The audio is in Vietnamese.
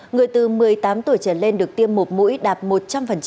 người từ một mươi tám tuổi trở lên được tiêm một mũi đạt một trăm linh